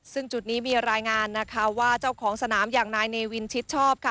ซึ่งจุดนี้มีรายงานนะคะว่าเจ้าของสนามอย่างนายเนวินชิดชอบค่ะ